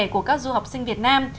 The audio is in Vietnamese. của các du học sinh việt nam